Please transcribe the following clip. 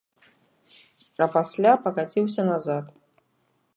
А пасля пакаціўся назад.